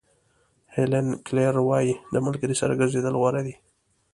هیلن کیلر وایي د ملګري سره ګرځېدل غوره دي.